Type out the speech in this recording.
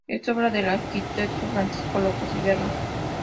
Es obra del arquitecto Francisco López Guerra.